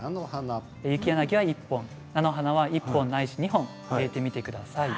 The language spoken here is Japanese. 雪柳は１本、菜の花は１本ないし２本植えてみてください